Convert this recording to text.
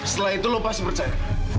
setelah itu lo pasti percaya